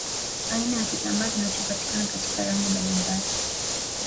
Aina ya kitambaa kinachopatikana katika rangi mbalimbali